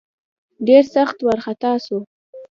ډېر سخت وارخطا سو.